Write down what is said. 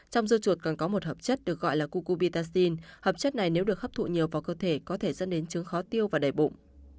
trong dưa chuột còn có một hợp chất được gọi là cucobitaxin hợp chất này nếu được hấp thụ nhiều vào cơ thể có thể dẫn đến trứng khó tiêu và đẩy bụng